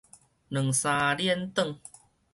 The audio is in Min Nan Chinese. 兩三輾轉